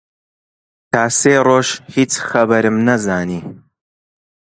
تا سێ ڕۆژ هیچ خەبەرم نەزانی